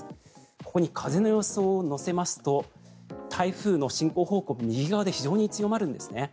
ここに風の予想を乗せますと台風の進行方向右側で非常に強まるんですね。